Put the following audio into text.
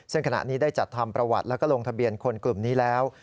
ซึ่งขณะนี้ได้จัดทำประวัติแล้วก็ลงทะเบียนคนกลุ่มนี้แล้ว